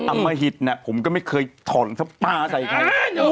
อำมะหิตน่ะผมก็ไม่เคยถ่อนปลาใส่ใคร